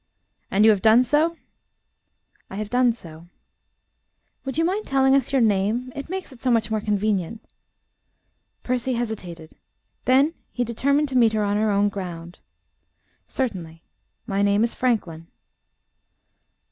"And you have done so?" "I have done so." "Would you mind telling us your name? It makes it so much more convenient." Percy hesitated. Then he determined to meet her on her own ground. "Certainly. My name is Franklin."